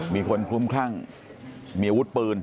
มีคนคลุ้มคลั่งมีอาวุธปืน